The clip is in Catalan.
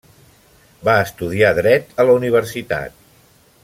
Va estudiar dret a la universitat.